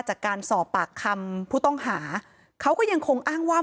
จากการสอบปากคำผู้ต้องหาเขาก็ยังคงอ้างว่า